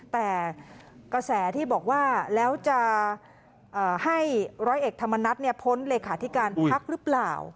แต่กระแสที่บอกว่าแล้วจะให้ร้อยเอกธรรมนัฐพ้นเลขาธิการพักหรือเปล่า